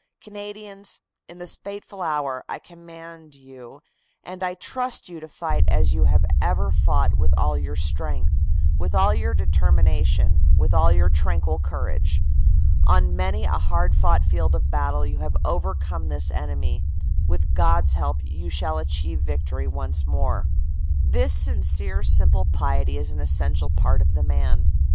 "Canadians, in this fateful hour, I command you and I trust you to fight as you have ever fought with all your strength, with all your determination, with all your tranquil courage. On many a hard fought field of battle you have overcome this enemy. With God s help you shall achieve victory once more. This sincere simple piety is an essential part of the man.